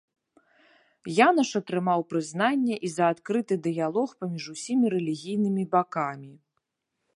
Янаш атрымаў прызнанне і за адкрыты дыялог паміж усімі рэлігійнымі бакамі.